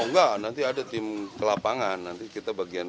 oh nggak nanti ada tim kelapangan nanti kita bagian